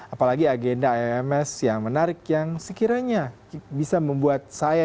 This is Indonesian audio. apalagi agenda ims yang menarik yang sekiranya bisa membuat saya